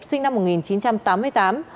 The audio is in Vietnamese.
sinh năm một nghìn chín trăm tám mươi tám